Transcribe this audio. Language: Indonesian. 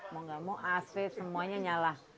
mau tidak mau ac semuanya nyala